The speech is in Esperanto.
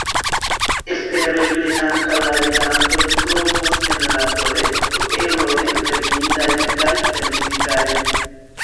Espereble ankaŭ la legantoj trovos en la kolekto erojn legindajn kaj pensigajn.¨